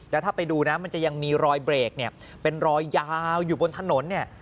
แล้วถ้าไปดูนะมันจะยังมีรอยเบรกเนี่ยเป็นรอยยาวอยู่บนถนนเนี่ย